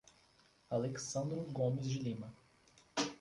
Alexsandro Gomes de Lima